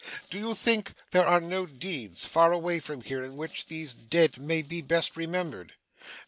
Do you think there are no deeds, far away from here, in which these dead may be best remembered?